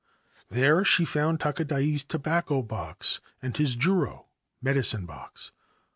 There she found Takadai's tobacco box and his juro (medicine box).